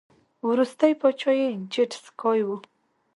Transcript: وروستی پاچا یې جیډ سکای و